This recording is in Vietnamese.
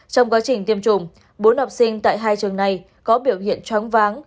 trong quá trình tiêm chủng bốn học sinh tại hai trường này có biểu hiện choáng váng